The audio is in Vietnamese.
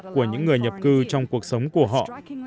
của những người nhập cư trong cuộc sống của họ